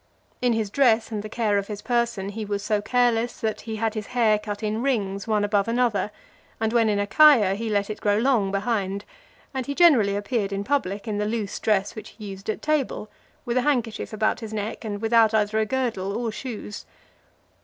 In his dress, and the care of his person, he was so careless, that he had his hair cut in rings, one above another; and when in Achaia, he let it grow long behind; and he generally appeared in public in the loose dress which he used at table, with a handkerchief about his neck, and without either a girdle or shoes.